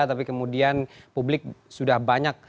tapi kemudian publik sudah banyak